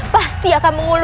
pasti akan menghukummu